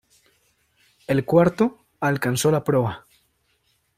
El cuarto alcanzó la proa.